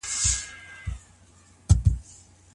آيا استمتاع د خاوند او ميرمني تر منځ شريک حق دی؟